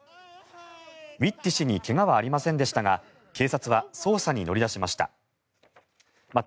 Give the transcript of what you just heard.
ウィッティ氏に怪我はありませんでしたが警察は捜査に乗り出しました。